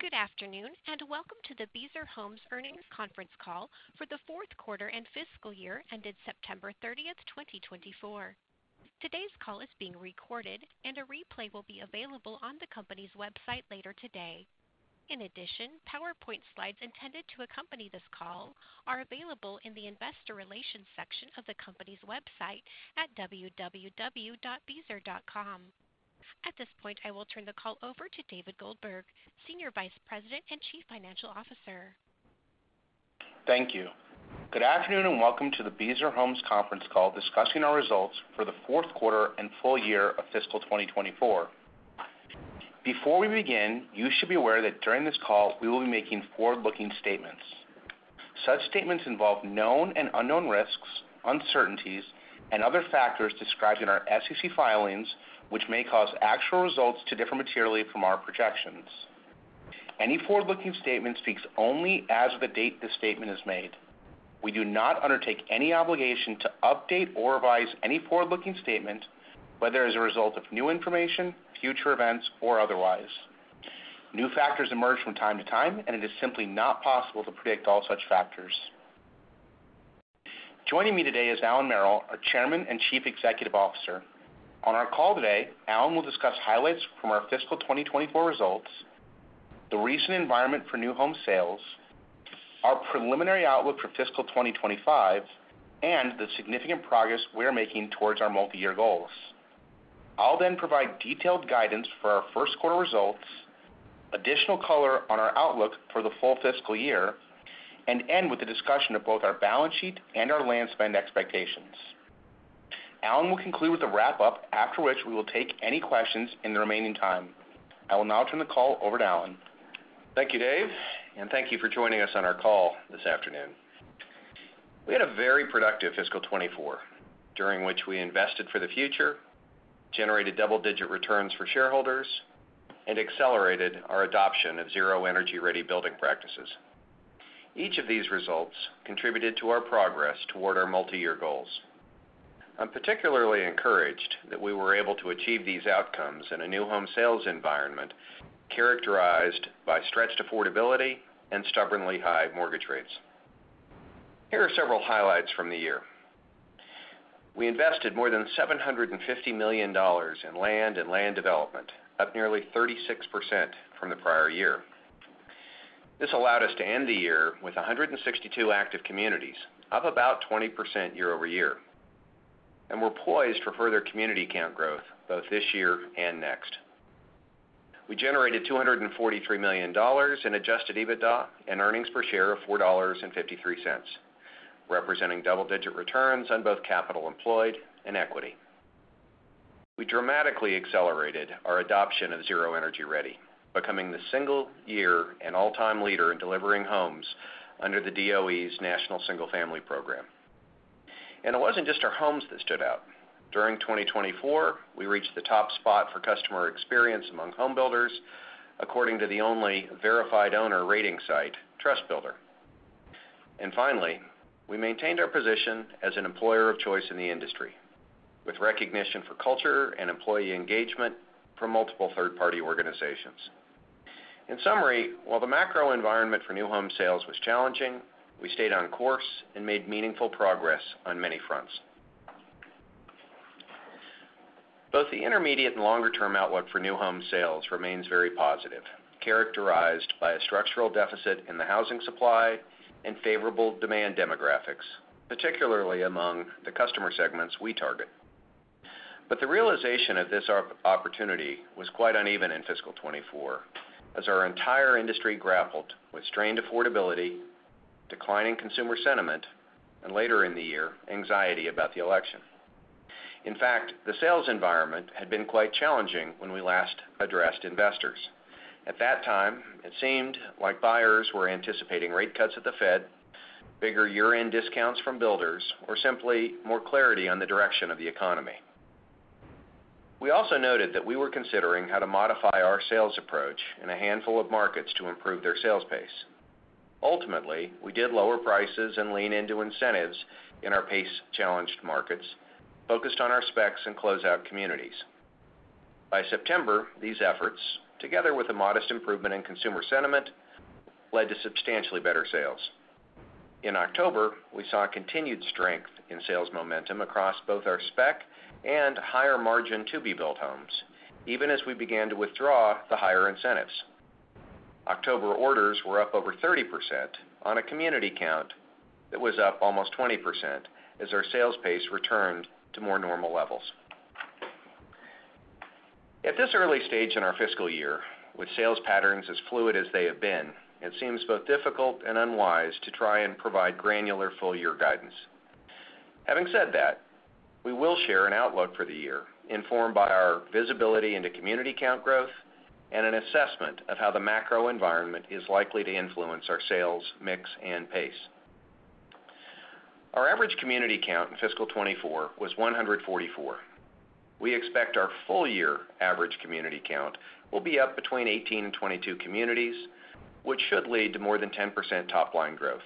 Good afternoon and welcome to the Beazer Homes earnings conference call for the fourth quarter and fiscal year ended September 30th, 2024. Today's call is being recorded, and a replay will be available on the company's website later today. In addition, PowerPoint slides intended to accompany this call are available in the investor relations section of the company's website at www.beazer.com. At this point, I will turn the call over to David Goldberg, Senior Vice President and Chief Financial Officer. Thank you. Good afternoon and welcome to the Beazer Homes conference call discussing our results for the fourth quarter and full year of fiscal 2024. Before we begin, you should be aware that during this call, we will be making forward-looking statements. Such statements involve known and unknown risks, uncertainties, and other factors described in our SEC filings, which may cause actual results to differ materially from our projections. Any forward-looking statement speaks only as of the date the statement is made. We do not undertake any obligation to update or revise any forward-looking statement, whether as a result of new information, future events, or otherwise. New factors emerge from time to time, and it is simply not possible to predict all such factors. Joining me today is Allan Merrill, our Chairman and Chief Executive Officer. On our call today, Allan will discuss highlights from our fiscal 2024 results, the recent environment for new home sales, our preliminary outlook for fiscal 2025, and the significant progress we're making towards our multi-year goals. I'll then provide detailed guidance for our first quarter results, additional color on our outlook for the full fiscal year, and end with a discussion of both our balance sheet and our land spend expectations. Allan will conclude with a wrap-up, after which we will take any questions in the remaining time. I will now turn the call over to Allan. Thank you, Dave, and thank you for joining us on our call this afternoon. We had a very productive fiscal 2024, during which we invested for the future, generated double-digit returns for shareholders, and accelerated our adoption of Zero Energy Ready building practices. Each of these results contributed to our progress toward our multi-year goals. I'm particularly encouraged that we were able to achieve these outcomes in a new home sales environment characterized by stretched affordability and stubbornly high mortgage rates. Here are several highlights from the year. We invested more than $750 million in land and land development, up nearly 36% from the prior year. This allowed us to end the year with 162 active communities, up about 20% year over year, and we're poised for further community count growth both this year and next. We generated $243 million in Adjusted EBITDA and earnings per share of $4.53, representing double-digit returns on both capital employed and equity. We dramatically accelerated our adoption of Zero Energy Ready, becoming the single-year and all-time leader in delivering homes under the DOE's National Single-Family Program, and it wasn't just our homes that stood out. During 2024, we reached the top spot for customer experience among home builders, according to the only verified owner rating site, TrustBuilder. And finally, we maintained our position as an employer of choice in the industry, with recognition for culture and employee engagement from multiple third-party organizations. In summary, while the macro environment for new home sales was challenging, we stayed on course and made meaningful progress on many fronts. Both the intermediate and longer-term outlook for new home sales remains very positive, characterized by a structural deficit in the housing supply and favorable demand demographics, particularly among the customer segments we target. But the realization of this opportunity was quite uneven in fiscal 2024, as our entire industry grappled with strained affordability, declining consumer sentiment, and later in the year, anxiety about the election. In fact, the sales environment had been quite challenging when we last addressed investors. At that time, it seemed like buyers were anticipating rate cuts at the Fed, bigger year-end discounts from builders, or simply more clarity on the direction of the economy. We also noted that we were considering how to modify our sales approach in a handful of markets to improve their sales pace. Ultimately, we did lower prices and lean into incentives in our pace-challenged markets, focused on our specs and closeout communities. By September, these efforts, together with a modest improvement in consumer sentiment, led to substantially better sales. In October, we saw continued strength in sales momentum across both our spec and higher-margin-to-be-built homes, even as we began to withdraw the higher incentives. October orders were up over 30% on a community count that was up almost 20% as our sales pace returned to more normal levels. At this early stage in our fiscal year, with sales patterns as fluid as they have been, it seems both difficult and unwise to try and provide granular full-year guidance. Having said that, we will share an outlook for the year informed by our visibility into community count growth and an assessment of how the macro environment is likely to influence our sales mix and pace. Our average community count in fiscal 2024 was 144. We expect our full-year average community count will be up between 18 and 22 communities, which should lead to more than 10% top-line growth.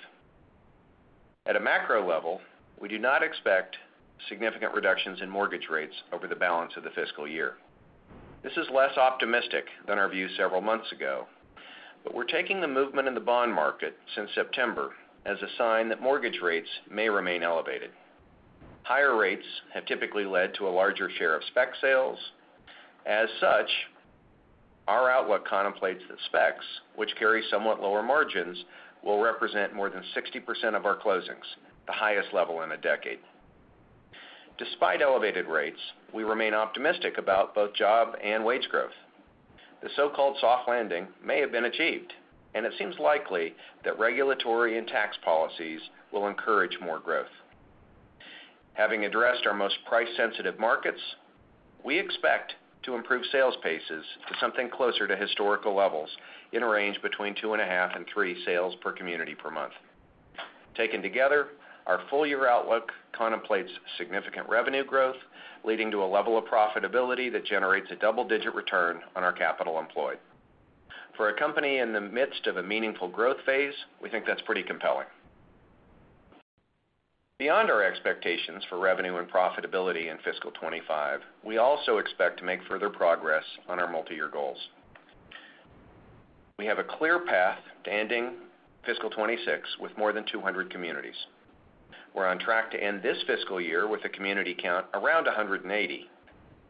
At a macro level, we do not expect significant reductions in mortgage rates over the balance of the fiscal year. This is less optimistic than our view several months ago, but we're taking the movement in the bond market since September as a sign that mortgage rates may remain elevated. Higher rates have typically led to a larger share of spec sales. As such, our outlook contemplates that specs, which carry somewhat lower margins, will represent more than 60% of our closings, the highest level in a decade. Despite elevated rates, we remain optimistic about both job and wage growth. The so-called soft landing may have been achieved, and it seems likely that regulatory and tax policies will encourage more growth. Having addressed our most price-sensitive markets, we expect to improve sales paces to something closer to historical levels in a range between two and a half and three sales per community per month. Taken together, our full-year outlook contemplates significant revenue growth, leading to a level of profitability that generates a double-digit return on our capital employed. For a company in the midst of a meaningful growth phase, we think that's pretty compelling. Beyond our expectations for revenue and profitability in fiscal 2025, we also expect to make further progress on our multi-year goals. We have a clear path to ending fiscal 2026 with more than 200 communities. We're on track to end this fiscal year with a community count around 180,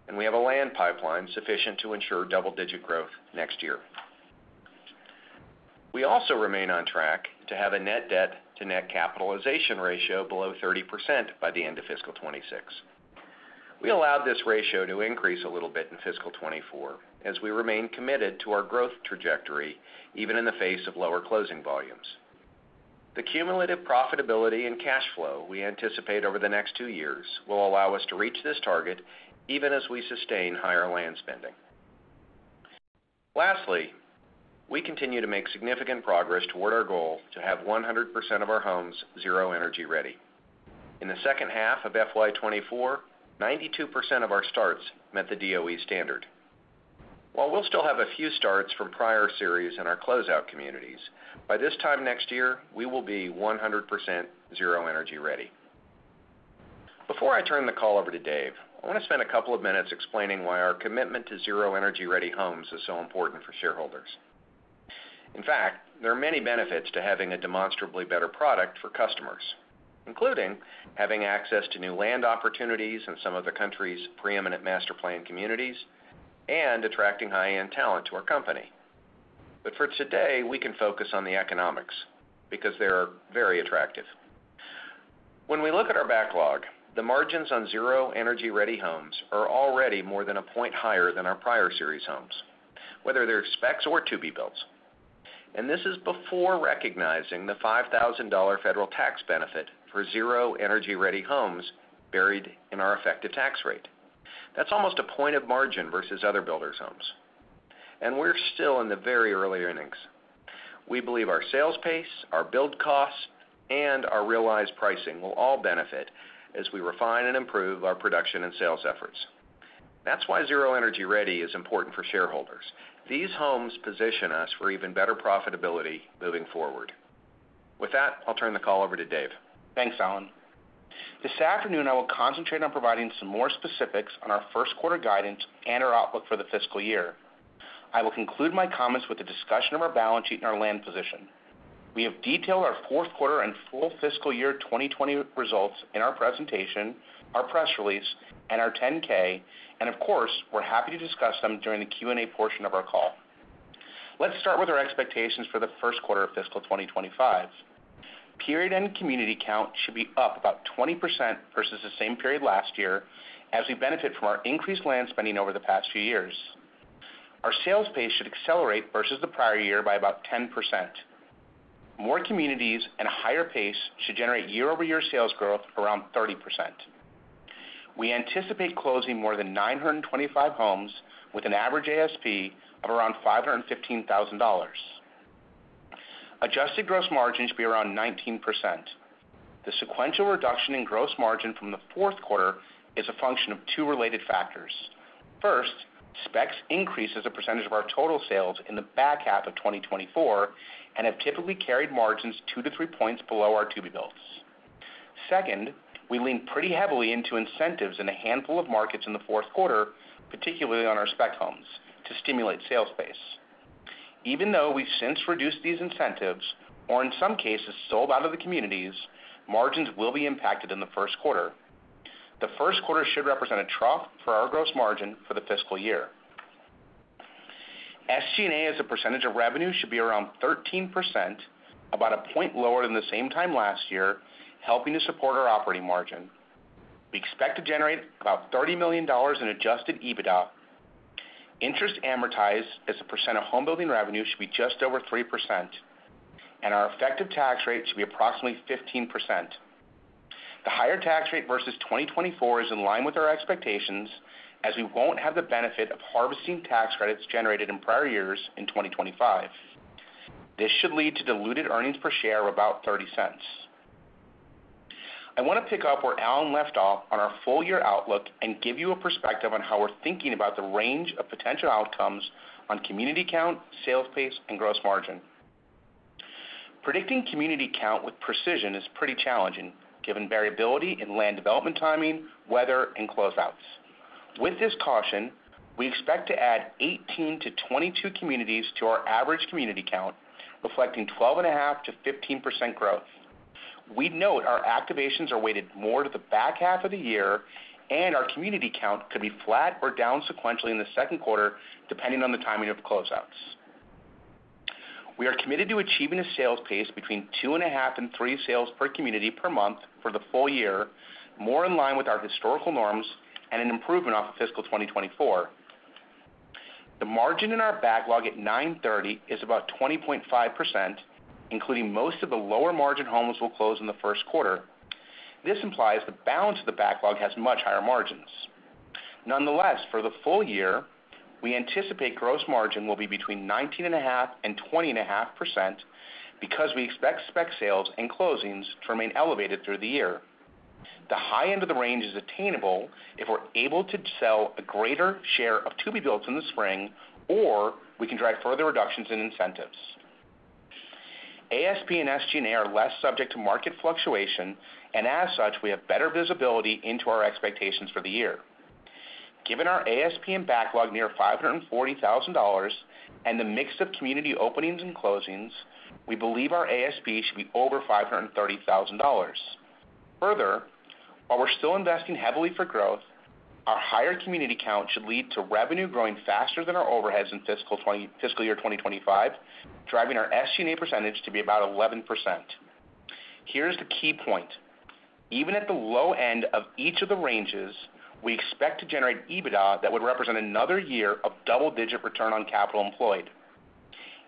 and we have a land pipeline sufficient to ensure double-digit growth next year. We also remain on track to have a net debt-to-net capitalization ratio below 30% by the end of fiscal 2026. We allowed this ratio to increase a little bit in fiscal 2024, as we remain committed to our growth trajectory even in the face of lower closing volumes. The cumulative profitability and cash flow we anticipate over the next two years will allow us to reach this target even as we sustain higher land spending. Lastly, we continue to make significant progress toward our goal to have 100% of our homes Zero Energy Ready. In the second half of FY 2024, 92% of our starts met the DOE standard. While we'll still have a few starts from prior series in our closeout communities, by this time next year, we will be 100% Zero Energy Ready. Before I turn the call over to Dave, I want to spend a couple of minutes explaining why our commitment to Zero Energy Ready homes is so important for shareholders. In fact, there are many benefits to having a demonstrably better product for customers, including having access to new land opportunities in some of the country's preeminent master-planned communities and attracting high-end talent to our company. But for today, we can focus on the economics because they are very attractive. When we look at our backlog, the margins on Zero Energy Ready homes are already more than a point higher than our prior series homes, whether they're specs or to-be-builts. And this is before recognizing the $5,000 federal tax benefit for Zero Energy Ready homes buried in our effective tax rate. That's almost a point of margin versus other builders' homes. And we're still in the very early innings. We believe our sales pace, our build costs, and our realized pricing will all benefit as we refine and improve our production and sales efforts. That's why Zero Energy Ready is important for shareholders. These homes position us for even better profitability moving forward. With that, I'll turn the call over to Dave. Thanks, Allan. This afternoon, I will concentrate on providing some more specifics on our first quarter guidance and our outlook for the fiscal year. I will conclude my comments with a discussion of our balance sheet and our land position. We have detailed our fourth quarter and full fiscal year 2024 results in our presentation, our press release, and our 10-K, and of course, we're happy to discuss them during the Q&A portion of our call. Let's start with our expectations for the first quarter of fiscal 2025. Period end community count should be up about 20% versus the same period last year, as we benefit from our increased land spending over the past few years. Our sales pace should accelerate versus the prior year by about 10%. More communities and a higher pace should generate year-over-year sales growth around 30%. We anticipate closing more than 925 homes with an average ASP of around $515,000. Adjusted gross margin should be around 19%. The sequential reduction in gross margin from the fourth quarter is a function of two related factors. First, specs increased as a percentage of our total sales in the back half of 2024 and have typically carried margins two to three points below our to-be-builts. Second, we lean pretty heavily into incentives in a handful of markets in the fourth quarter, particularly on our spec homes, to stimulate sales pace. Even though we've since reduced these incentives, or in some cases sold out of the communities, margins will be impacted in the first quarter. The first quarter should represent a trough for our gross margin for the fiscal year. SG&A as a percentage of revenue should be around 13%, about a point lower than the same time last year, helping to support our operating margin. We expect to generate about $30 million in adjusted EBITDA. Interest amortized as a percent of home building revenue should be just over 3%, and our effective tax rate should be approximately 15%. The higher tax rate versus 2024 is in line with our expectations, as we won't have the benefit of harvesting tax credits generated in prior years in 2025. This should lead to diluted earnings per share of about $0.30. I want to pick up where Allan left off on our full-year outlook and give you a perspective on how we're thinking about the range of potential outcomes on community count, sales pace, and gross margin. Predicting community count with precision is pretty challenging, given variability in land development timing, weather, and closeouts. With this caution, we expect to add 18-22 communities to our average community count, reflecting 12.5%-15% growth. We note our activations are weighted more to the back half of the year, and our community count could be flat or down sequentially in the second quarter, depending on the timing of closeouts. We are committed to achieving a sales pace between 2.5 and 3 sales per community per month for the full year, more in line with our historical norms and an improvement off of fiscal 2024. The margin in our backlog at 930 is about 20.5%, including most of the lower margin homes we'll close in the first quarter. This implies the balance of the backlog has much higher margins. Nonetheless, for the full year, we anticipate gross margin will be between 19.5 and 20.5% because we expect spec sales and closings to remain elevated through the year. The high end of the range is attainable if we're able to sell a greater share of to-be-builts in the spring, or we can drive further reductions in incentives. ASP and SG&A are less subject to market fluctuation, and as such, we have better visibility into our expectations for the year. Given our ASP and backlog near $540,000 and the mix of community openings and closings, we believe our ASP should be over $530,000. Further, while we're still investing heavily for growth, our higher community count should lead to revenue growing faster than our overheads in fiscal year 2025, driving our SG&A percentage to be about 11%. Here's the key point. Even at the low end of each of the ranges, we expect to generate EBITDA that would represent another year of double-digit return on capital employed.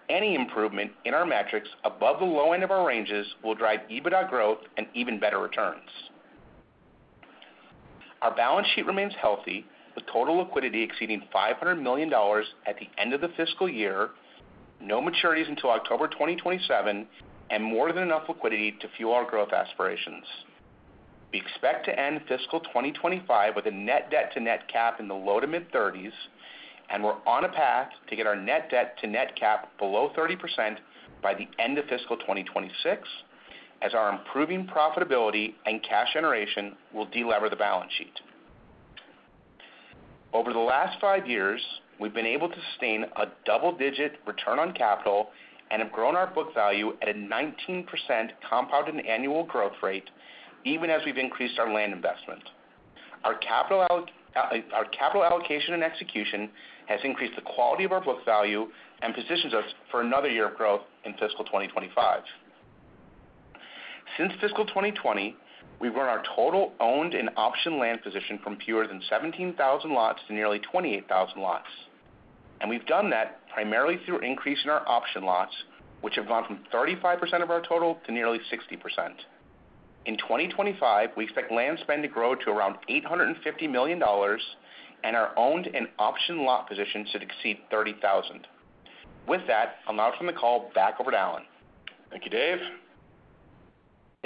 Any improvement in our metrics above the low end of our ranges will drive EBITDA growth and even better returns. Our balance sheet remains healthy, with total liquidity exceeding $500 million at the end of the fiscal year, no maturities until October 2027, and more than enough liquidity to fuel our growth aspirations. We expect to end fiscal 2025 with a net debt-to-net cap in the low to mid-30s, and we're on a path to get our net debt-to-net cap below 30% by the end of fiscal 2026, as our improving profitability and cash generation will deliver the balance sheet. Over the last five years, we've been able to sustain a double-digit return on capital and have grown our book value at a 19% compounded annual growth rate, even as we've increased our land investment. Our capital allocation and execution has increased the quality of our book value and positions us for another year of growth in fiscal 2025. Since fiscal 2020, we've grown our total owned and option land position from fewer than 17,000 lots to nearly 28,000 lots, and we've done that primarily through increasing our option lots, which have gone from 35% of our total to nearly 60%. In 2025, we expect land spend to grow to around $850 million and our owned and option lot position should exceed 30,000. With that, I'll now turn the call back over to Allan. Thank you, Dave.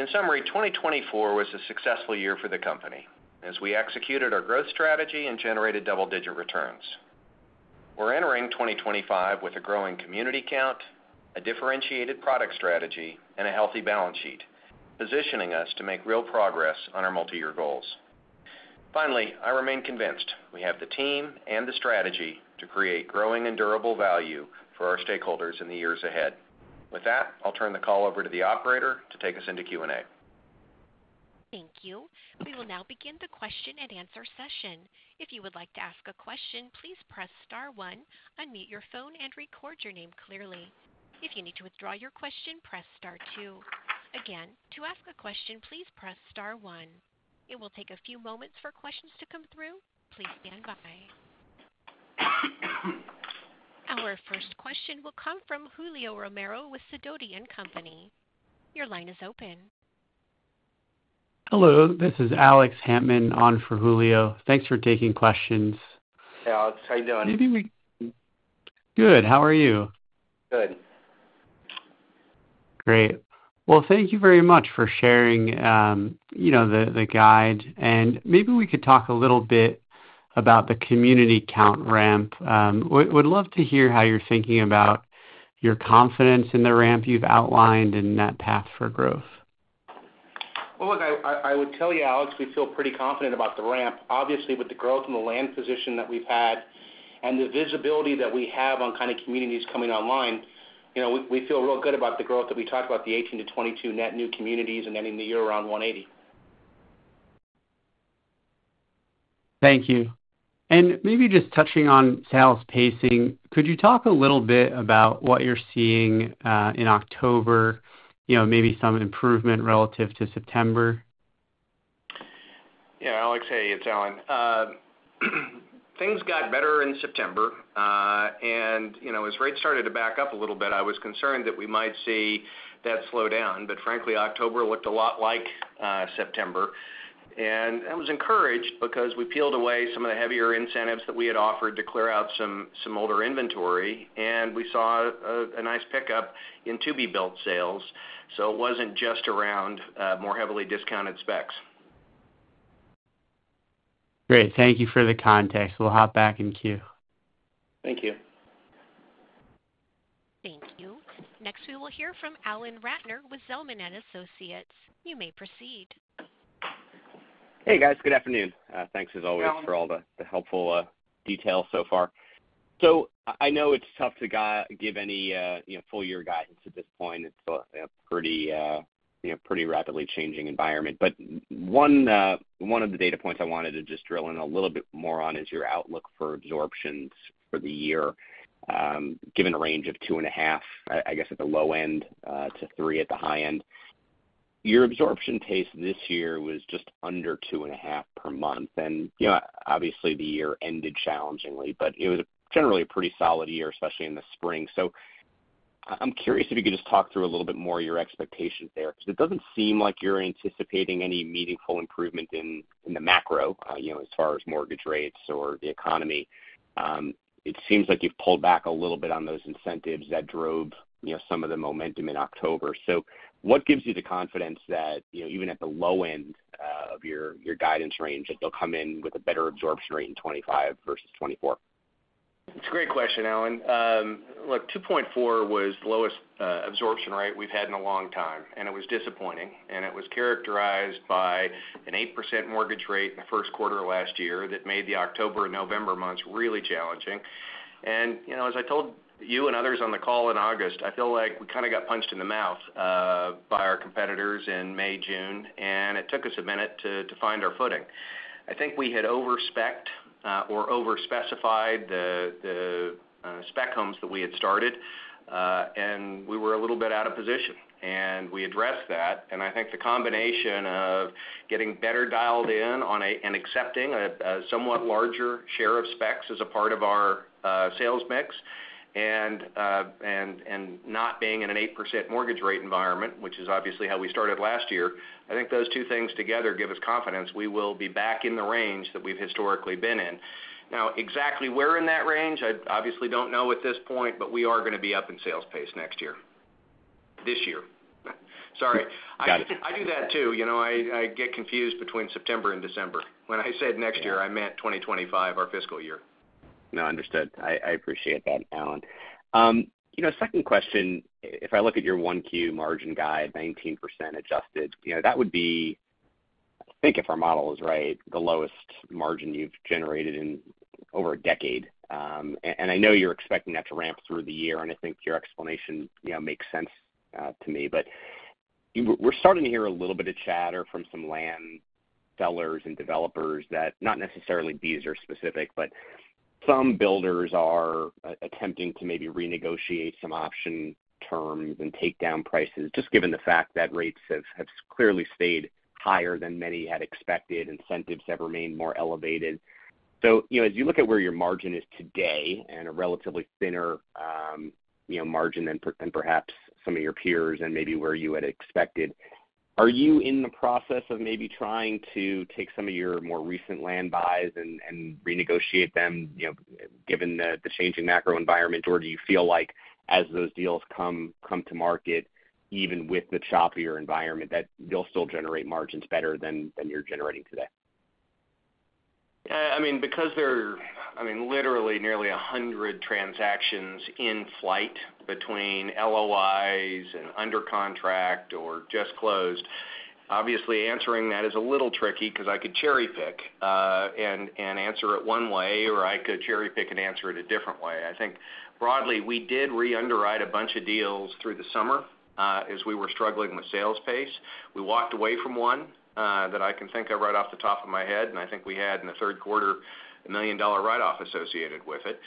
In summary, 2024 was a successful year for the company as we executed our growth strategy and generated double-digit returns. We're entering 2025 with a growing community count, a differentiated product strategy, and a healthy balance sheet, positioning us to make real progress on our multi-year goals. Finally, I remain convinced we have the team and the strategy to create growing and durable value for our stakeholders in the years ahead. With that, I'll turn the call over to the operator to take us into Q&A. Thank you. We will now begin the question and answer session. If you would like to ask a question, please press star one, unmute your phone, and record your name clearly. If you need to withdraw your question, press star two. Again, to ask a question, please press star one. It will take a few moments for questions to come through. Please stand by. Our first question will come from Julio Romero with Sidoti & Company. Your line is open. Hello, this is Alex Hampsten on for Julio. Thanks for taking questions. Hey, Alex. How are you doing? Good. How are you? Good. Great. Well, thank you very much for sharing the guide. And maybe we could talk a little bit about the community count ramp. Would love to hear how you're thinking about your confidence in the ramp you've outlined and that path for growth. Look, I would tell you, Alex, we feel pretty confident about the ramp. Obviously, with the growth and the land position that we've had and the visibility that we have on kind of communities coming online, we feel real good about the growth that we talked about, the 18-22 net new communities and ending the year around 180. Thank you. And maybe just touching on sales pacing, could you talk a little bit about what you're seeing in October, maybe some improvement relative to September? Yeah, Alex, hey, it's Allan. Things got better in September. And as rates started to back up a little bit, I was concerned that we might see that slow down. But frankly, October looked a lot like September. And I was encouraged because we peeled away some of the heavier incentives that we had offered to clear out some older inventory. And we saw a nice pickup in to-be-built sales. So it wasn't just around more heavily discounted specs. Great. Thank you for the context. We'll hop back in queue. Thank you. Thank you. Next, we will hear from Allan Ratner with Zelman & Associates. You may proceed. Hey, guys. Good afternoon. Thanks, as always, for all the helpful details so far. I know it's tough to give any full-year guidance at this point. It's a pretty rapidly changing environment. One of the data points I wanted to just drill in a little bit more on is your outlook for absorptions for the year, given a range of two and a half, I guess at the low end, to three at the high end. Your absorption pace this year was just under two and a half per month. Obviously, the year ended challengingly, but it was generally a pretty solid year, especially in the spring. I'm curious if you could just talk through a little bit more of your expectations there, because it doesn't seem like you're anticipating any meaningful improvement in the macro as far as mortgage rates or the economy. It seems like you've pulled back a little bit on those incentives that drove some of the momentum in October. So what gives you the confidence that even at the low end of your guidance range, that they'll come in with a better absorption rate in 2025 versus 2024? It's a great question, Allan. Look, 2.4 was the lowest absorption rate we've had in a long time. And it was disappointing. And it was characterized by an 8% mortgage rate in the first quarter of last year that made the October and November months really challenging. And as I told you and others on the call in August, I feel like we kind of got punched in the mouth by our competitors in May, June. And it took us a minute to find our footing. I think we had overspecced or overspecified the spec homes that we had started. And we were a little bit out of position. And we addressed that. I think the combination of getting better dialed in on and accepting a somewhat larger share of specs as a part of our sales mix and not being in an 8% mortgage rate environment, which is obviously how we started last year, I think those two things together give us confidence we will be back in the range that we've historically been in. Now, exactly where in that range, I obviously don't know at this point, but we are going to be up in sales pace next year. This year. Sorry. I do that too. I get confused between September and December. When I said next year, I meant 2025, our fiscal year. No, understood. I appreciate that, Allan. Second question, if I look at your Q1 margin guide, 19% adjusted, that would be, I think if our model is right, the lowest margin you've generated in over a decade. And I know you're expecting that to ramp through the year. And I think your explanation makes sense to me. But we're starting to hear a little bit of chatter from some land sellers and developers that, not necessarily Beazer-specific, but some builders are attempting to maybe renegotiate some option terms and take down prices, just given the fact that rates have clearly stayed higher than many had expected, incentives have remained more elevated. So as you look at where your margin is today and a relatively thinner margin than perhaps some of your peers and maybe where you had expected, are you in the process of maybe trying to take some of your more recent land buys and renegotiate them given the changing macro environment? Or do you feel like as those deals come to market, even with the choppier environment, that they'll still generate margins better than you're generating today? I mean, because there are literally nearly 100 transactions in flight between LOIs and under contract or just closed, obviously, answering that is a little tricky because I could cherry pick and answer it one way, or I could cherry pick and answer it a different way. I think broadly, we did re-underwrite a bunch of deals through the summer as we were struggling with sales pace. We walked away from one that I can think of right off the top of my head. And I think we had in the third quarter a $1 million write-off associated with it.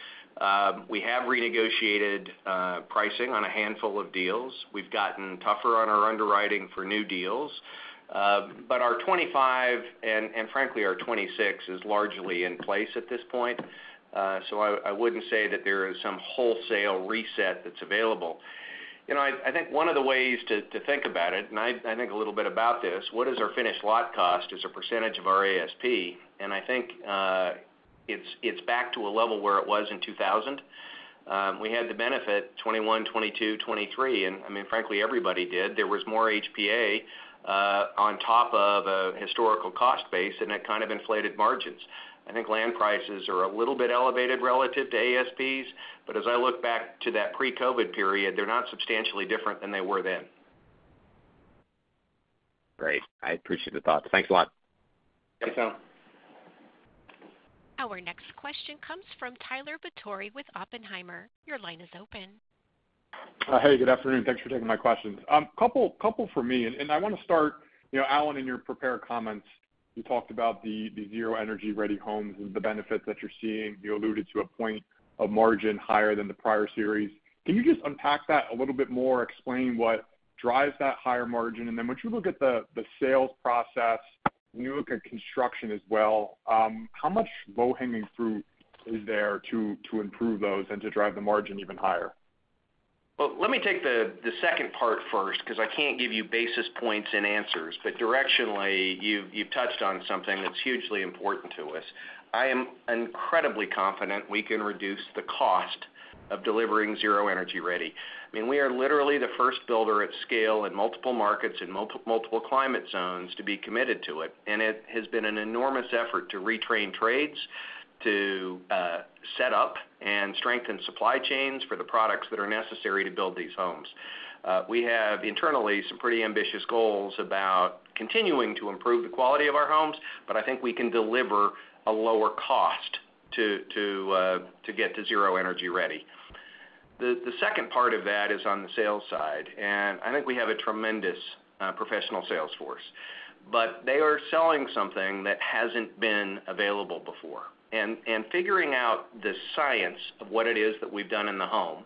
We have renegotiated pricing on a handful of deals. We've gotten tougher on our underwriting for new deals. But our 2025 and frankly, our 2026 is largely in place at this point. So I wouldn't say that there is some wholesale reset that's available. I think one of the ways to think about it, and I think a little bit about this, what is our finished lot cost as a percentage of our ASP? And I think it's back to a level where it was in 2000. We had the benefit 2021, 2022, 2023. And I mean, frankly, everybody did. There was more HPA on top of a historical cost base, and that kind of inflated margins. I think land prices are a little bit elevated relative to ASPs. But as I look back to that pre-COVID period, they're not substantially different than they were then. Great. I appreciate the thoughts. Thanks a lot. Thanks, Allan. Our next question comes from Tyler Batory with Oppenheimer. Your line is open. Hey, good afternoon. Thanks for taking my questions. Couple for me. And I want to start, Allan, in your prepared comments. You talked about the Zero Energy Ready homes and the benefits that you're seeing. You alluded to a point of margin higher than the prior series. Can you just unpack that a little bit more, explain what drives that higher margin? And then once you look at the sales process, when you look at construction as well, how much low-hanging fruit is there to improve those and to drive the margin even higher? Let me take the second part first because I can't give you basis points and answers, but directionally, you've touched on something that's hugely important to us. I am incredibly confident we can reduce the cost of delivering Zero Energy Ready. I mean, we are literally the first builder at scale in multiple markets and multiple climate zones to be committed to it, and it has been an enormous effort to retrain trades to set up and strengthen supply chains for the products that are necessary to build these homes. We have internally some pretty ambitious goals about continuing to improve the quality of our homes, but I think we can deliver a lower cost to get to Zero Energy Ready. The second part of that is on the sales side, and I think we have a tremendous professional sales force, but they are selling something that hasn't been available before. Figuring out the science of what it is that we've done in the home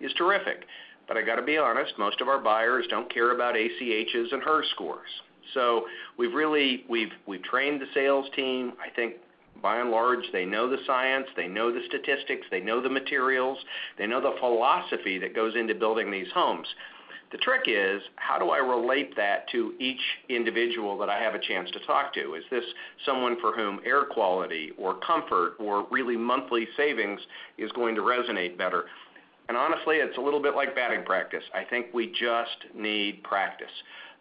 is terrific. But I got to be honest, most of our buyers don't care about ACHs and HERS scores. So we've trained the sales team. I think, by and large, they know the science. They know the statistics. They know the materials. They know the philosophy that goes into building these homes. The trick is, how do I relate that to each individual that I have a chance to talk to? Is this someone for whom air quality or comfort or really monthly savings is going to resonate better? And honestly, it's a little bit like batting practice. I think we just need practice.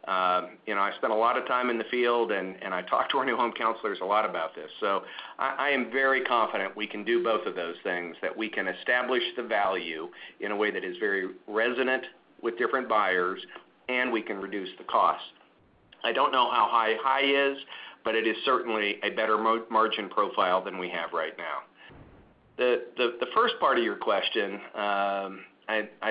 I spent a lot of time in the field, and I talk to our new home counselors a lot about this. So I am very confident we can do both of those things, that we can establish the value in a way that is very resonant with different buyers, and we can reduce the cost. I don't know how high high is, but it is certainly a better margin profile than we have right now. The first part of your question, I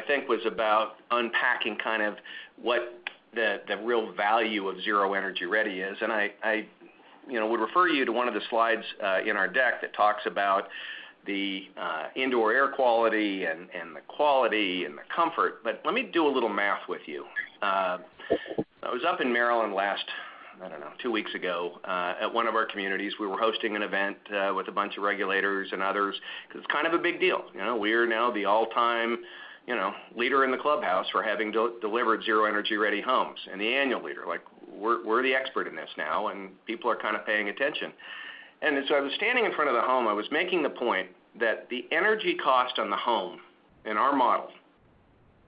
think, was about unpacking kind of what the real value of Zero Energy Ready is. And I would refer you to one of the slides in our deck that talks about the indoor air quality and the quality and the comfort. But let me do a little math with you. I was up in Maryland last, I don't know, two weeks ago at one of our communities. We were hosting an event with a bunch of regulators and others because it's kind of a big deal. We are now the all-time leader in the clubhouse for having delivered zero energy-ready homes and the annual leader. We're the expert in this now, and people are kind of paying attention, and so I was standing in front of the home. I was making the point that the energy cost on the home in our model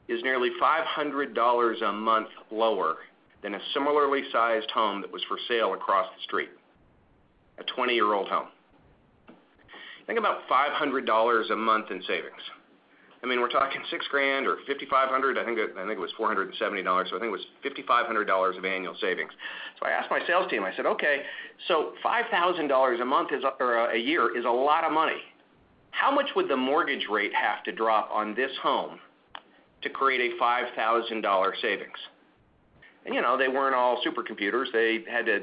is nearly $500 a month lower than a similarly sized home that was for sale across the street, a 20-year-old home. Think about $500 a month in savings. I mean, we're talking six grand or $5,500. I think it was $470. So I think it was $5,500 of annual savings, so I asked my sales team. I said, "Okay. So $5,000 a year is a lot of money. How much would the mortgage rate have to drop on this home to create a $5,000 savings?" and they weren't all supercomputers. They had to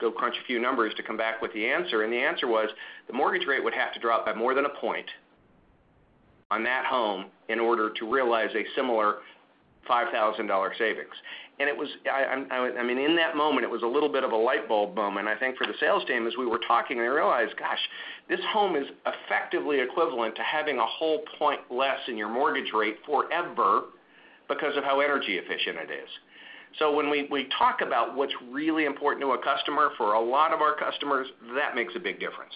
go crunch a few numbers to come back with the answer, and the answer was, the mortgage rate would have to drop by more than a point on that home in order to realize a similar $5,000 savings, and I mean, in that moment, it was a little bit of a light bulb moment. I think for the sales team, as we were talking, they realized, "Gosh, this home is effectively equivalent to having a whole point less in your mortgage rate forever because of how energy efficient it is," so when we talk about what's really important to a customer, for a lot of our customers, that makes a big difference.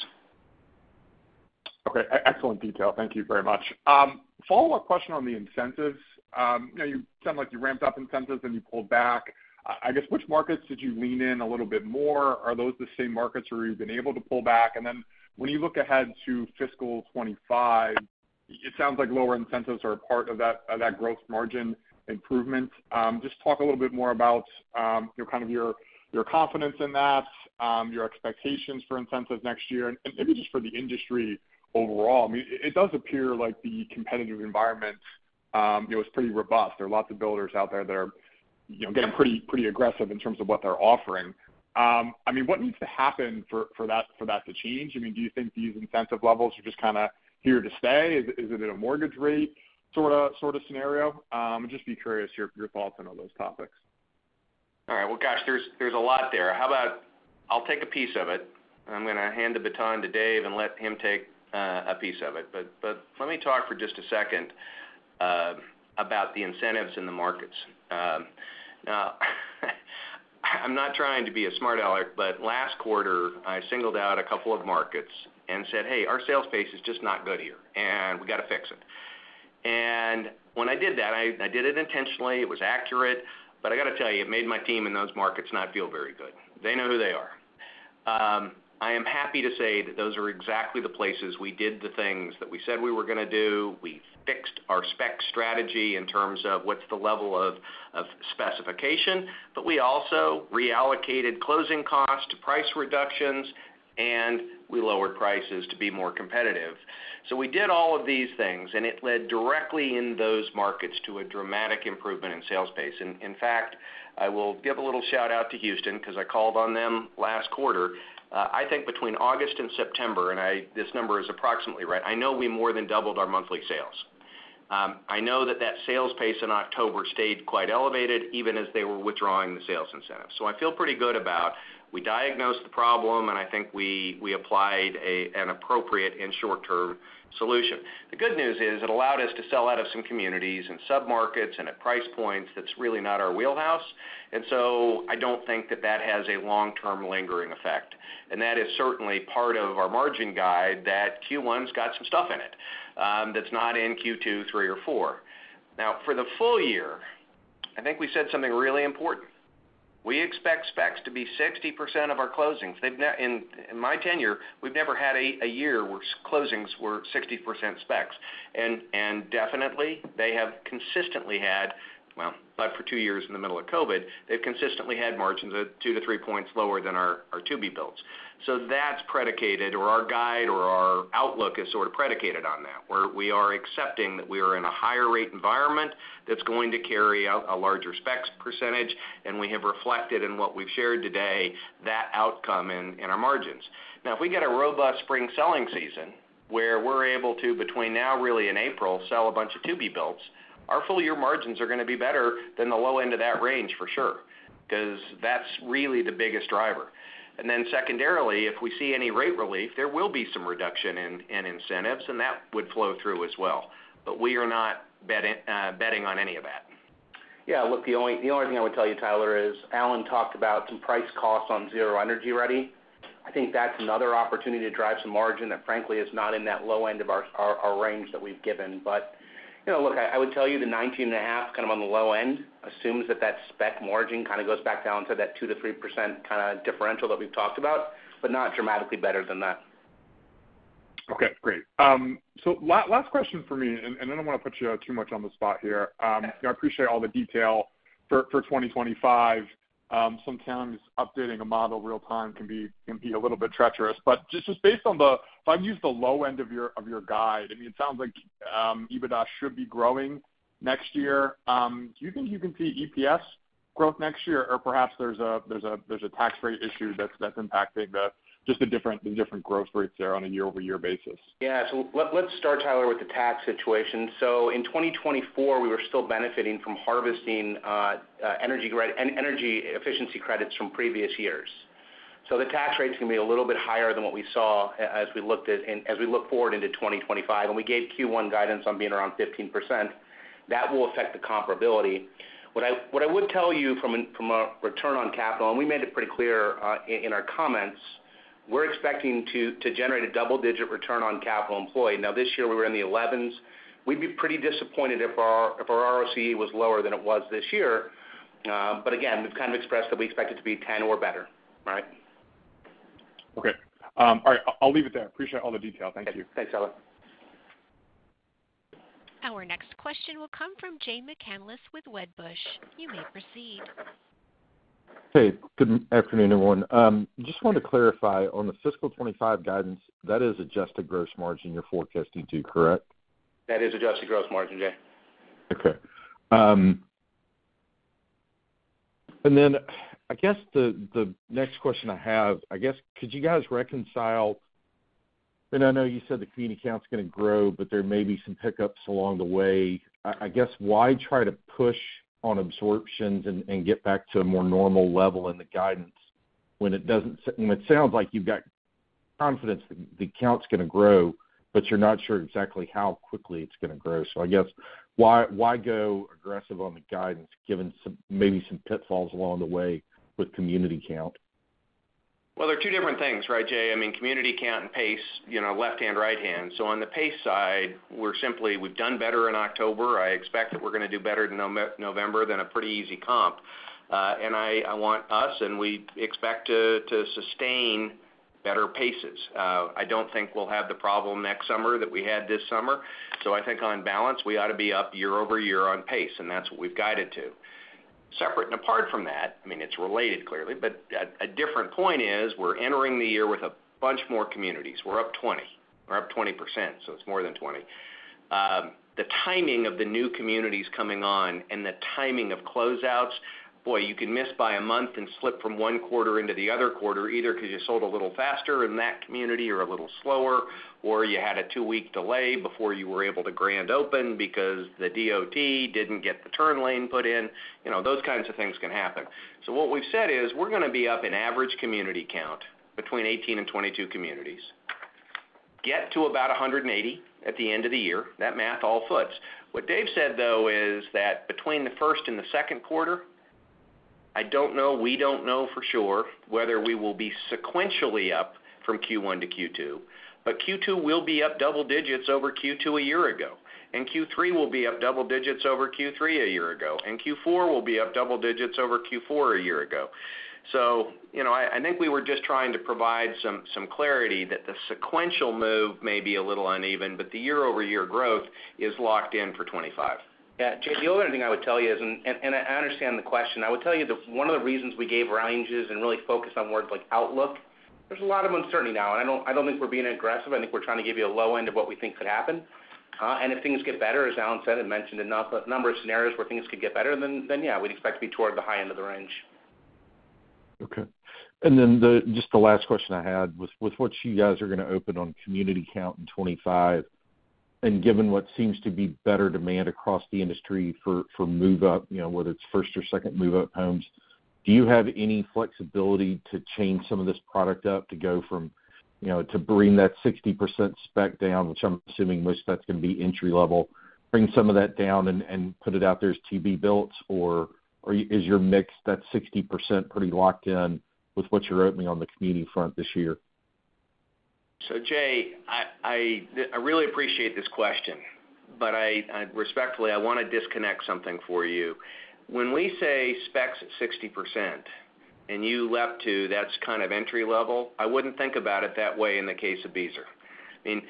Okay. Excellent detail. Thank you very much. Follow-up question on the incentives. Now, you sound like you ramped up incentives and you pulled back. I guess, which markets did you lean in a little bit more? Are those the same markets where you've been able to pull back? And then when you look ahead to fiscal 2025, it sounds like lower incentives are a part of that gross margin improvement. Just talk a little bit more about kind of your confidence in that, your expectations for incentives next year, and maybe just for the industry overall. I mean, it does appear like the competitive environment is pretty robust. There are lots of builders out there that are getting pretty aggressive in terms of what they're offering. I mean, what needs to happen for that to change? I mean, do you think these incentive levels are just kind of here to stay? Is it in a mortgage rate sort of scenario? I'd just be curious your thoughts on all those topics. All right. Gosh, there's a lot there. I'll take a piece of it. I'm going to hand the baton to Dave and let him take a piece of it. But let me talk for just a second about the incentives in the markets. Now, I'm not trying to be a smart aleck, but last quarter, I singled out a couple of markets and said, "Hey, our sales pace is just not good here, and we got to fix it." And when I did that, I did it intentionally. It was accurate. But I got to tell you, it made my team in those markets not feel very good. They know who they are. I am happy to say that those are exactly the places we did the things that we said we were going to do. We fixed our spec strategy in terms of what's the level of specification. But we also reallocated closing costs, price reductions, and we lowered prices to be more competitive. So we did all of these things, and it led directly in those markets to a dramatic improvement in sales pace. And in fact, I will give a little shout-out to Houston because I called on them last quarter. I think between August and September, and this number is approximately right, I know we more than doubled our monthly sales. I know that that sales pace in October stayed quite elevated even as they were withdrawing the sales incentives. So I feel pretty good about we diagnosed the problem, and I think we applied an appropriate and short-term solution. The good news is it allowed us to sell out of some communities and sub-markets and at price points that's really not our wheelhouse. And so I don't think that that has a long-term lingering effect. And that is certainly part of our margin guide that Q1's got some stuff in it that's not in Q2, 3, or 4. Now, for the full year, I think we said something really important. We expect specs to be 60% of our closings. In my tenure, we've never had a year where closings were 60% specs. And definitely, they have consistently had, well, for two years in the middle of COVID, they've consistently had margins of two to three points lower than our to-be-builts. So that's predicated, or our guide or our outlook is sort of predicated on that, where we are accepting that we are in a higher-rate environment that's going to carry out a larger specs percentage. And we have reflected in what we've shared today that outcome in our margins. Now, if we get a robust spring selling season where we're able to, between now, really in April, sell a bunch of to-be-builts, our full-year margins are going to be better than the low end of that range, for sure, because that's really the biggest driver, and then secondarily, if we see any rate relief, there will be some reduction in incentives, and that would flow through as well, but we are not betting on any of that. Yeah. Look, the only thing I would tell you, Tyler, is Allan talked about some price cuts on Zero Energy Ready. I think that's another opportunity to drive some margin that, frankly, is not in that low end of our range that we've given. But look, I would tell you the 19.5 kind of on the low end assumes that that spec margin kind of goes back down to that 2%-3% kind of differential that we've talked about, but not dramatically better than that. Okay. Great. So last question for me, and I don't want to put you too much on the spot here. I appreciate all the detail for 2025. Sometimes updating a model real-time can be a little bit treacherous. But just based on if I've used the low end of your guide, I mean, it sounds like EBITDA should be growing next year. Do you think you can see EPS growth next year? Or perhaps there's a tax rate issue that's impacting just the different growth rates there on a year-over-year basis? Yeah, so let's start, Tyler, with the tax situation, so in 2024, we were still benefiting from harvesting energy efficiency credits from previous years, so the tax rate's going to be a little bit higher than what we saw as we look forward into 2025, and we gave Q1 guidance on being around 15%. That will affect the comparability. What I would tell you from a return on capital, and we made it pretty clear in our comments, we're expecting to generate a double-digit return on capital employed. Now, this year, we were in the 11s. We'd be pretty disappointed if our ROCE was lower than it was this year, but again, we've kind of expressed that we expect it to be 10 or better, right? Okay. All right. I'll leave it there. Appreciate all the detail. Thank you. Thanks, Allan. Our next question will come from Jay McCanless with Wedbush. You may proceed. Hey. Good afternoon, everyone. Just wanted to clarify on the fiscal 2025 guidance, that is Adjusted Gross Margin you're forecasting to, correct? That is Adjusted Gross Margin, Jay. Okay. And then I guess the next question I have, I guess, could you guys reconcile? And I know you said the community count's going to grow, but there may be some pickups along the way. I guess, why try to push on absorptions and get back to a more normal level in the guidance when it sounds like you've got confidence the count's going to grow, but you're not sure exactly how quickly it's going to grow? So I guess, why go aggressive on the guidance given maybe some pitfalls along the way with community count? There are two different things, right, Jay? I mean, community count and pace, left-hand, right-hand. On the pace side, we've done better in October. I expect that we're going to do better in November than a pretty easy comp. I want us, and we expect to sustain better paces. I don't think we'll have the problem next summer that we had this summer. I think on balance, we ought to be up year-over-year on pace, and that's what we've guided to. Separate and apart from that, I mean, it's related clearly, but a different point is we're entering the year with a bunch more communities. We're up 20. We're up 20%. So it's more than 20. The timing of the new communities coming on and the timing of closeouts, boy, you can miss by a month and slip from one quarter into the other quarter either because you sold a little faster in that community or a little slower, or you had a two-week delay before you were able to grand open because the DOT didn't get the turn lane put in. Those kinds of things can happen. So what we've said is we're going to be up in average community count between 18 and 22 communities, get to about 180 at the end of the year. That math all foots. What Dave said, though, is that between the first and the second quarter, I don't know. We don't know for sure whether we will be sequentially up from Q1 to Q2. But Q2 will be up double digits over Q2 a year ago, and Q3 will be up double digits over Q3 a year ago, and Q4 will be up double digits over Q4 a year ago. So I think we were just trying to provide some clarity that the sequential move may be a little uneven, but the year-over-year growth is locked in for 2025. Yeah. Jay, the only other thing I would tell you is, and I understand the question. I would tell you that one of the reasons we gave ranges and really focused on words like outlook, there's a lot of uncertainty now, and I don't think we're being aggressive. I think we're trying to give you a low end of what we think could happen. If things get better, as Allan said and mentioned a number of scenarios where things could get better, then yeah, we'd expect to be toward the high end of the range. Okay. And then just the last question I had with what you guys are going to open on community count in 2025, and given what seems to be better demand across the industry for move-up, whether it's first or second move-up homes, do you have any flexibility to change some of this product up to go from bring that 60% spec down, which I'm assuming most of that's going to be entry-level, bring some of that down and put it out there as to-be-builts? Or is your mix, that 60%, pretty locked in with what you're opening on the community front this year? Jay, I really appreciate this question. But respectfully, I want to disconnect something for you. When we say specs at 60% and you leapt to, "That's kind of entry-level," I wouldn't think about it that way in the case of Beazer. I mean,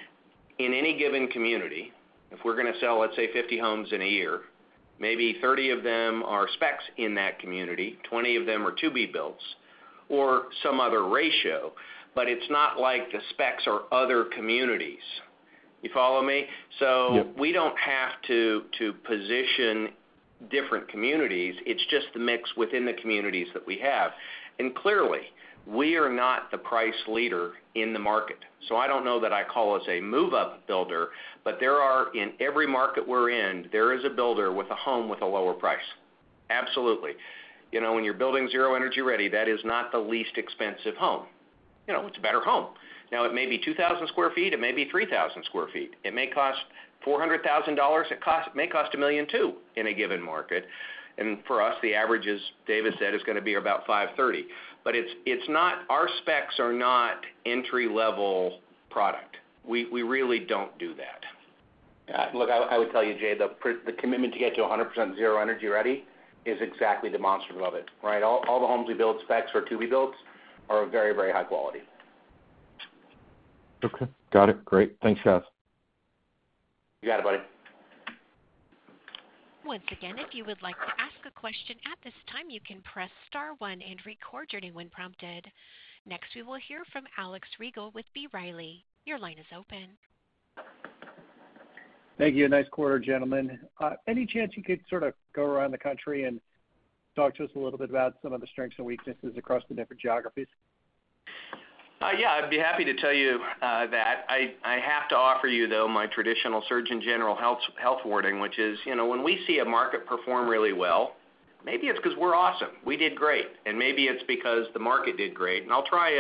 in any given community, if we're going to sell, let's say, 50 homes in a year, maybe 30 of them are specs in that community, 20 of them are to-be-builts, or some other ratio. But it's not like the specs are other communities. You follow me? Yeah. So we don't have to position different communities. It's just the mix within the communities that we have. And clearly, we are not the price leader in the market. So I don't know that I call us a move-up builder, but there are, in every market we're in, there is a builder with a home with a lower price. Absolutely. When you're building Zero Energy Ready, that is not the least expensive home. It's a better home. Now, it may be 2,000 sq ft. It may be 3,000 sq ft. It may cost $400,000. It may cost $1 million, too, in a given market. And for us, the average, as Dave has said, is going to be about $530,000. But our specs are not entry-level product. We really don't do that. Yeah. Look, I would tell you, Jay, the commitment to get to 100% zero-energy-ready is exactly the monster above it, right? All the homes we build, specs for to-be-builts are very, very high quality. Okay. Got it. Great. Thanks, Seth. You got it, buddy. Once again, if you would like to ask a question at this time, you can press star one and record your name when prompted. Next, we will hear from Alex Rygiel with B. Riley. Your line is open. Thank you. Nice quarter, gentlemen. Any chance you could sort of go around the country and talk to us a little bit about some of the strengths and weaknesses across the different geographies? Yeah. I'd be happy to tell you that. I have to offer you, though, my traditional surgeon general health wording, which is when we see a market perform really well, maybe it's because we're awesome. We did great, and maybe it's because the market did great, and I'll try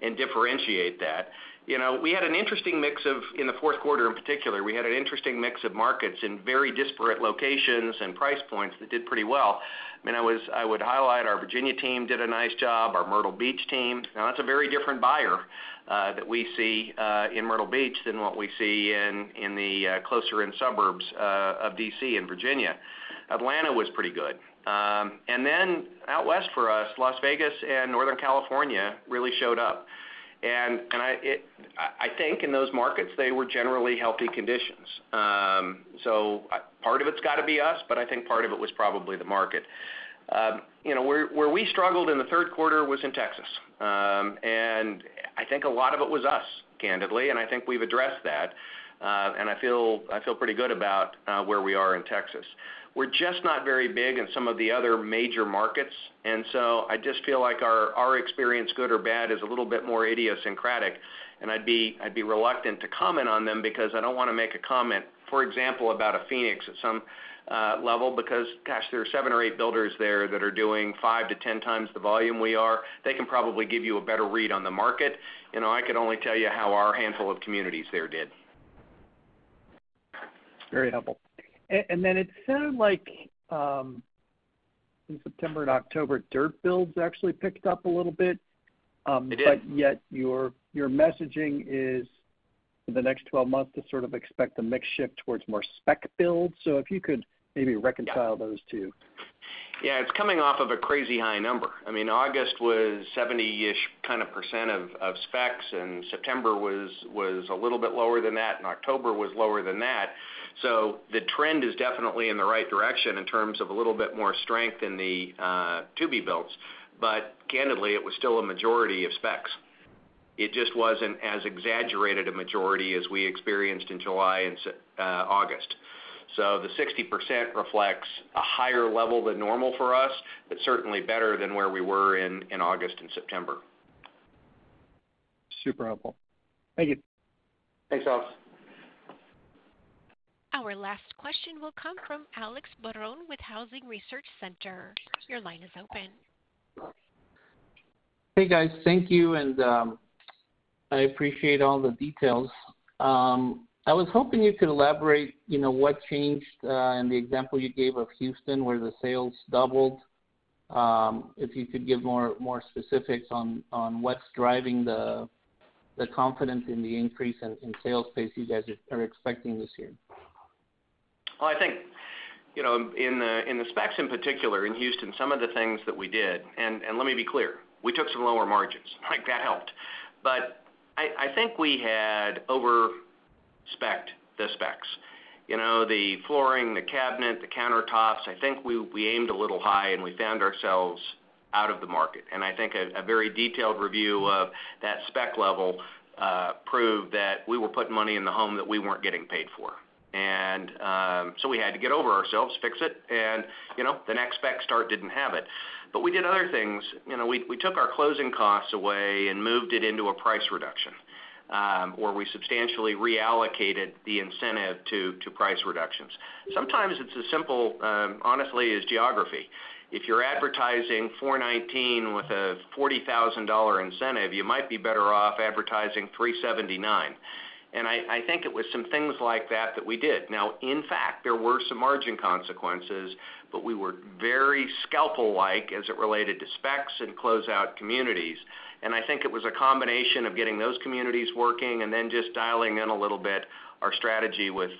and differentiate that. In the fourth quarter in particular, we had an interesting mix of markets in very disparate locations and price points that did pretty well. I mean, I would highlight our Virginia team did a nice job, our Myrtle Beach team. Now, that's a very different buyer that we see in Myrtle Beach than what we see in the closer-in suburbs of D.C. and Virginia. Atlanta was pretty good, and then out west for us, Las Vegas and Northern California really showed up. And I think in those markets, they were generally healthy conditions, so part of it's got to be us, but I think part of it was probably the market. Where we struggled in the third quarter was in Texas, and I think a lot of it was us, candidly, and I think we've addressed that, and I feel pretty good about where we are in Texas. We're just not very big in some of the other major markets, and so I just feel like our experience, good or bad, is a little bit more idiosyncratic, and I'd be reluctant to comment on them because I don't want to make a comment, for example, about Phoenix at some level because, gosh, there are seven or eight builders there that are doing five to 10 times the volume we are. They can probably give you a better read on the market. I could only tell you how our handful of communities there did. Very helpful. And then it sounded like in September and October, dirt builds actually picked up a little bit. It did. But yet your messaging is for the next 12 months to sort of expect a mix shift towards more spec builds. So if you could maybe reconcile those two? Yeah. It's coming off of a crazy high number. I mean, August was 70-ish kind of % of specs, and September was a little bit lower than that, and October was lower than that. So the trend is definitely in the right direction in terms of a little bit more strength in the to-be-builts. But candidly, it was still a majority of specs. It just wasn't as exaggerated a majority as we experienced in July and August. So the 60% reflects a higher level than normal for us, but certainly better than where we were in August and September. Super helpful. Thank you. Thanks, Allan. Our last question will come from Alex Barron with Housing Research Center. Your line is open. Hey, guys. Thank you. And I appreciate all the details. I was hoping you could elaborate what changed in the example you gave of Houston where the sales doubled, if you could give more specifics on what's driving the confidence in the increase in sales pace you guys are expecting this year? I think in the specs in particular in Houston, some of the things that we did, and let me be clear, we took some lower margins. That helped. But I think we had over-spec'd the specs. The flooring, the cabinet, the countertops, I think we aimed a little high, and we found ourselves out of the market. And I think a very detailed review of that spec level proved that we were putting money in the home that we weren't getting paid for. And so we had to get over ourselves, fix it, and the next spec start didn't have it. But we did other things. We took our closing costs away and moved it into a price reduction, or we substantially reallocated the incentive to price reductions. Sometimes it's as simple, honestly, as geography. If you're advertising 419 with a $40,000 incentive, you might be better off advertising 379. I think it was some things like that that we did. Now, in fact, there were some margin consequences, but we were very scalpel-like as it related to specs and closeout communities. And I think it was a combination of getting those communities working and then just dialing in a little bit our strategy with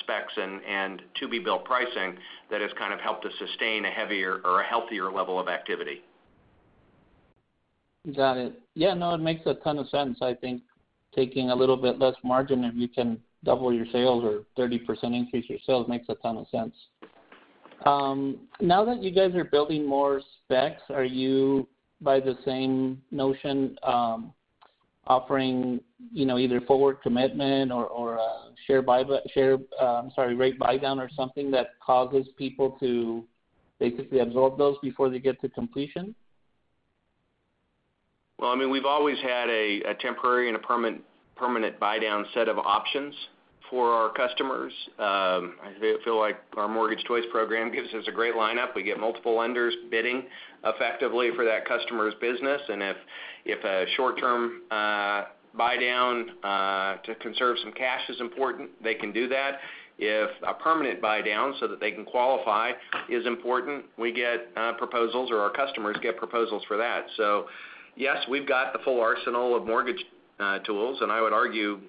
specs and to-be-built pricing that has kind of helped us sustain a heavier or a healthier level of activity. Got it. Yeah. No, it makes a ton of sense. I think taking a little bit less margin if you can double your sales or 30% increase your sales makes a ton of sense. Now that you guys are building more specs, are you by the same notion offering either forward commitment or a share, I'm sorry, rate buy-down or something that causes people to basically absorb those before they get to completion? Well, I mean, we've always had a temporary and a permanent buy-down set of options for our customers. I feel like our Mortgage Choice program gives us a great lineup. We get multiple lenders bidding effectively for that customer's business. And if a short-term buy-down to conserve some cash is important, they can do that. If a permanent buy-down so that they can qualify is important, we get proposals or our customers get proposals for that. So yes, we've got the full arsenal of mortgage tools, and I would argue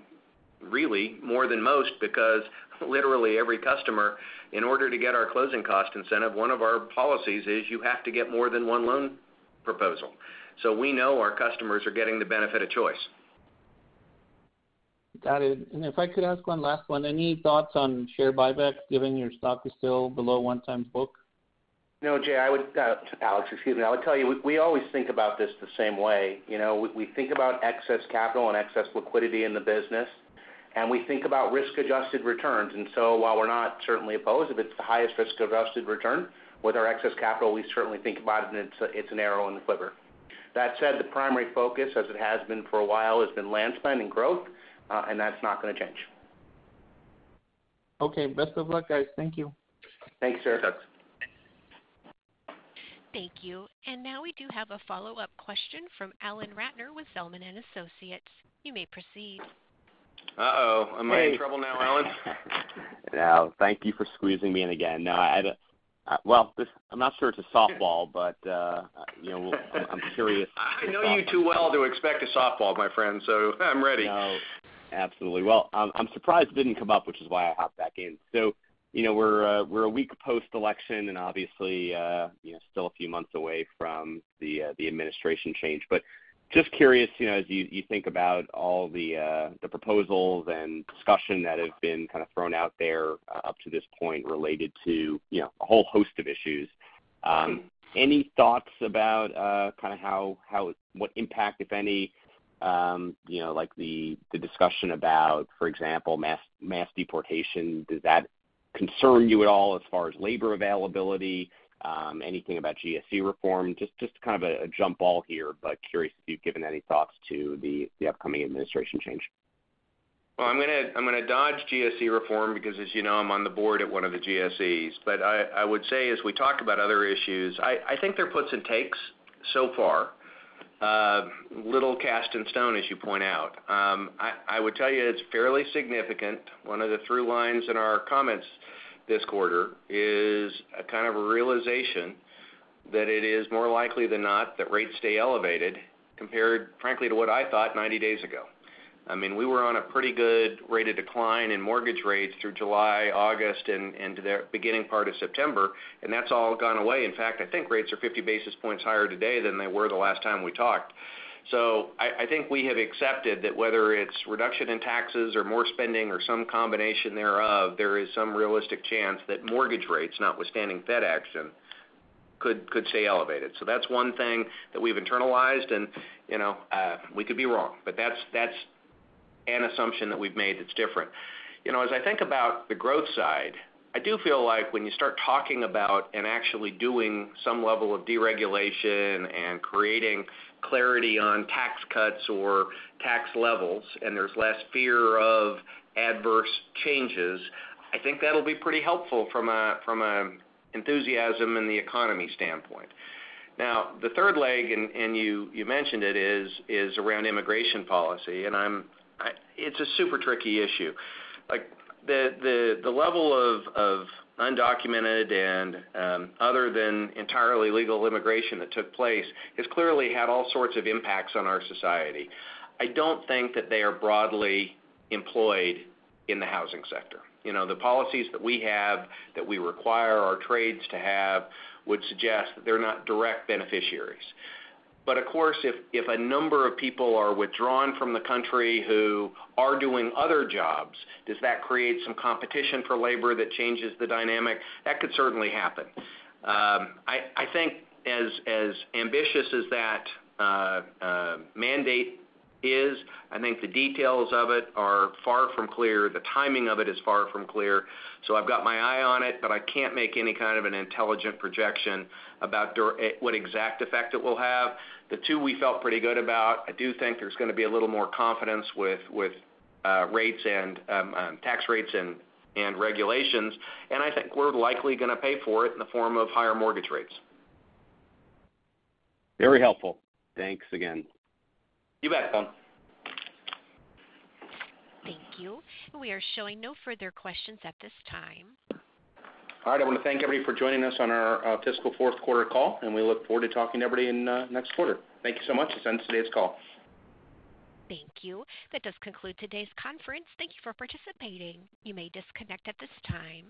really more than most because literally every customer, in order to get our closing cost incentive, one of our policies is you have to get more than one loan proposal. So we know our customers are getting the benefit of choice. Got it. And if I could ask one last one, any thoughts on share buy-backs given your stock is still below tangible book? No, Jay. Alex, excuse me. I would tell you we always think about this the same way. We think about excess capital and excess liquidity in the business, and we think about risk-adjusted returns. And so while we're certainly not opposed if it's the highest risk-adjusted return with our excess capital, we certainly think about it, and it's an arrow in the quiver. That said, the primary focus, as it has been for a while, has been land spend and growth, and that's not going to change. Okay. Best of luck, guys. Thank you. Thanks, sir. Thank you. And now we do have a follow-up question from Allan Ratner with Zelman & Associates. You may proceed. Uh-oh. Am I in trouble now, Allan? Yeah. Thank you for squeezing me in again. Well, I'm not sure it's a softball, but I'm curious. I know you too well to expect a softball, my friend, so I'm ready. No. Absolutely. Well, I'm surprised it didn't come up, which is why I hopped back in. So we're a week post-election and obviously still a few months away from the administration change. But just curious, as you think about all the proposals and discussion that have been kind of thrown out there up to this point related to a whole host of issues, any thoughts about kind of what impact, if any, like the discussion about, for example, mass deportation? Does that concern you at all as far as labor availability? Anything about GSE reform? Just kind of a jump ball here, but curious if you've given any thoughts to the upcoming administration change. I'm going to dodge GSE reform because, as you know, I'm on the board at one of the GSEs, but I would say, as we talk about other issues, I think there are puts and takes so far. Little cast in stone, as you point out. I would tell you it's fairly significant. One of the through lines in our comments this quarter is kind of a realization that it is more likely than not that rates stay elevated compared, frankly, to what I thought 90 days ago. I mean, we were on a pretty good rate of decline in mortgage rates through July, August, and into the beginning part of September, and that's all gone away. In fact, I think rates are 50 basis points higher today than they were the last time we talked. So I think we have accepted that whether it's reduction in taxes or more spending or some combination thereof, there is some realistic chance that mortgage rates, notwithstanding Fed action, could stay elevated. So that's one thing that we've internalized, and we could be wrong. But that's an assumption that we've made that's different. As I think about the growth side, I do feel like when you start talking about and actually doing some level of deregulation and creating clarity on tax cuts or tax levels, and there's less fear of adverse changes, I think that'll be pretty helpful from an enthusiasm and the economy standpoint. Now, the third leg, and you mentioned it, is around immigration policy. And it's a super tricky issue. The level of undocumented and other than entirely legal immigration that took place has clearly had all sorts of impacts on our society. I don't think that they are broadly employed in the housing sector. The policies that we have that we require our trades to have would suggest that they're not direct beneficiaries. But of course, if a number of people are withdrawn from the country who are doing other jobs, does that create some competition for labor that changes the dynamic? That could certainly happen. I think as ambitious as that mandate is, I think the details of it are far from clear. The timing of it is far from clear. So I've got my eye on it, but I can't make any kind of an intelligent projection about what exact effect it will have. The two we felt pretty good about, I do think there's going to be a little more confidence with rates and tax rates and regulations. I think we're likely going to pay for it in the form of higher mortgage rates. Very helpful. Thanks again. You bet. Thank you. And we are showing no further questions at this time. All right. I want to thank everybody for joining us on our fiscal fourth quarter call, and we look forward to talking to everybody in next quarter. Thank you so much for attending today's call. Thank you. That does conclude today's conference. Thank you for participating. You may disconnect at this time.